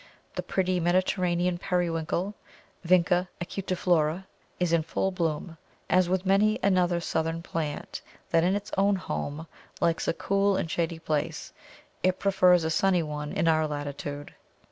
The pretty Mediterranean Periwinkle (Vinca acutiflora) is in full bloom. As with many another southern plant that in its own home likes a cool and shady place, it prefers a sunny one in our latitude.